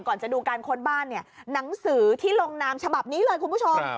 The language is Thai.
ก่อนจะดูการค้นบ้านเนี่ยหนังสือที่ลงนามฉบับนี้เลยคุณผู้ชม